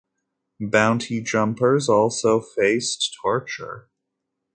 Bounty jumpers also faced torture.